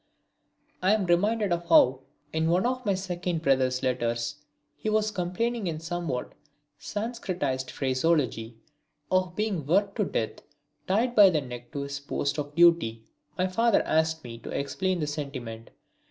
I am reminded of how in one of my second brother's letters he was complaining in somewhat sanscritised phraseology of being worked to death tied by the neck to his post of duty. My father asked me to explain the sentiment.